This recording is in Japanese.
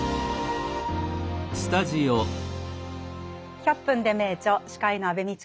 「１００分ｄｅ名著」司会の安部みちこです。